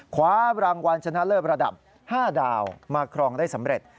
คว้ารางวัลชนะเลิศระดับ๕ดาวมาครองได้สำเร็จ